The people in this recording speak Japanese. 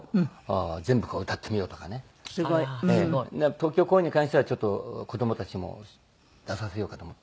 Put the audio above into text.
東京公演に関しては子どもたちも出させようかと思って。